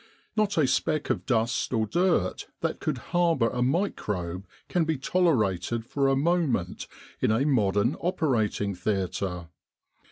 Not a speck of dust or dirt that could harbour a microbe can be tolerated for a moment in a modern operating theatre.